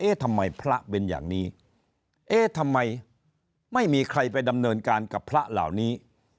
ทำไมพระเป็นอย่างนี้เอ๊ะทำไมไม่มีใครไปดำเนินการกับพระเหล่านี้